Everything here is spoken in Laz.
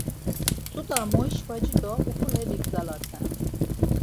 Ç̌ut̆a moyşvaci do uǩule bigzalaten.